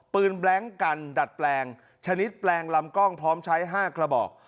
แบล็งกันดัดแปลงชนิดแปลงลำกล้องพร้อมใช้๕กระบอก